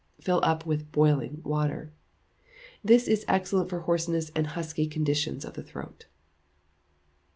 Fill up with boiling water. This is excellent for hoarseness and husky condition of the throat.